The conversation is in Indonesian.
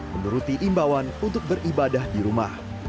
menuruti imbauan untuk beribadah di rumah